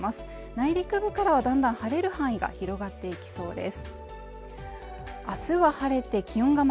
内陸部からはだんだん晴れる範囲が広がっていきそうです。